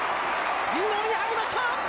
インゴールに入りました！